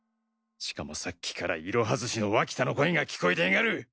しかもさっきからいろは寿司の脇田の声が聞こえてやがる